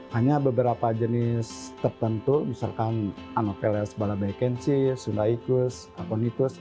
hanya beberapa jenis tertentu misalkan anopheles balabaikensis sundaicus aponitus